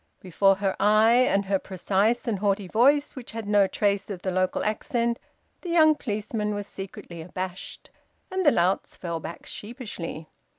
Before her eye, and her precise and haughty voice, which had no trace of the local accent, the young policeman was secretly abashed, and the louts fell back sheepishly.